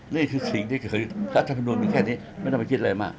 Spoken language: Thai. นี่คือสิ่งที่คือรัฐธรรมนุนเป็นแค่นี้ไม่ต้องไปคิดอะไรมาก